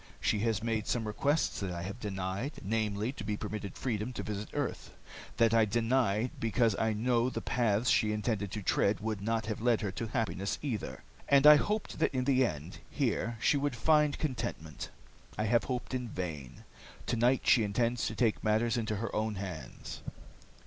She has made some requests that I have denied, namely, to be permitted freedom to visit earth. That I denied because I knew the paths she intended to tread would not have led her to happiness either, and I hoped that in the end, here she would find contentment. I have hoped in vain. Tonight she intends to take matters into her own hands."